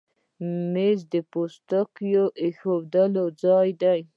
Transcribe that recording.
مېز د پوستکو ایښودو ځای دی.